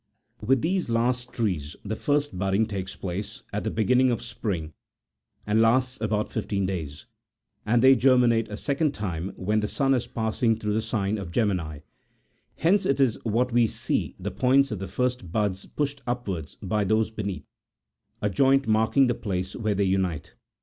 With these last trees the first budding takes place88 at the beginning of spring, and lasts about fifteen days ; and they ger minate a second time when the sun is passing through the si on of Gemini : hence it is that we see the points of the first buds pushed upwards by those beneath, a joint marking the place where they unite.